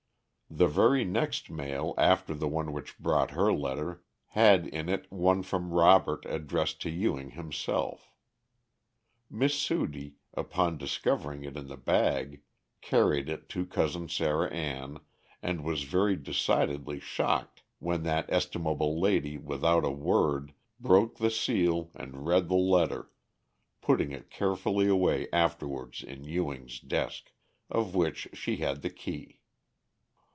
The very next mail after the one which brought her letter, had in it one from Robert addressed to Ewing himself. Miss Sudie, upon discovering it in the bag, carried it to Cousin Sarah Ann, and was very decidedly shocked when that estimable lady without a word broke the seal and read the letter, putting it carefully away afterwards in Ewing's desk, of which she had the key.